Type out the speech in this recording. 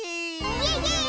イエイイエーイ！